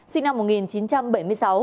sinh năm một nghìn chín trăm bảy mươi sáu